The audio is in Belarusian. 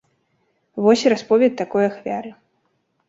Вось расповед такой ахвяры.